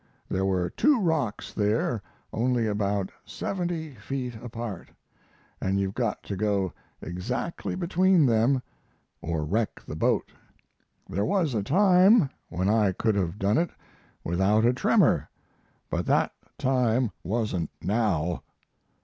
There were two rocks there only about seventy feet apart, and you've got to go exactly between them or wreck the boat. There was a time when I could have done it without a tremor, but that time wasn't now.